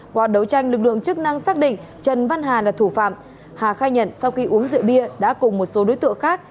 qua đấu tranh lực lượng chức năng xác định trần văn hà là thủ phạm hà khai nhận sau khi uống rượu bia đã cùng một số đối tượng khác